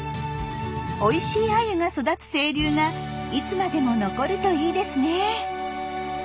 おいしいアユが育つ清流がいつまでも残るといいですね。